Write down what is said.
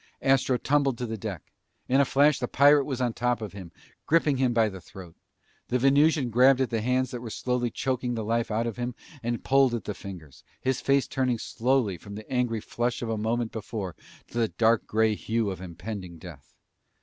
Astro tumbled to the deck. In a flash, the pirate was on top of him, gripping him by the throat. The Venusian grabbed at the hands that were slowly choking the life out of him and pulled at the fingers, his face turning slowly from the angry flush of a moment before to the dark gray hue of impending death!